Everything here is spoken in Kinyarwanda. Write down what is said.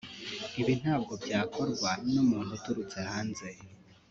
Ibi ntabwo byakorwa n’umuntu uturutse hanze